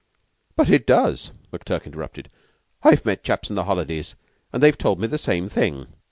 "But it does," McTurk interrupted. "I've met chaps in the holidays, an' they've told me the same thing.